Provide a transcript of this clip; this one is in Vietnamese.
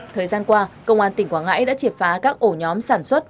thời gian qua công an tỉnh quảng ngãi đã triệt phá các ổ nhóm sản xuất